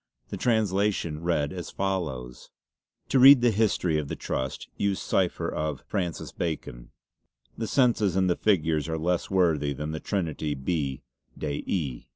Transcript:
The translation read as follows: "To read the history of the Trust use cipher of Fr. Bacon. The senses and the figures are less worthy than the Trinity B. de E."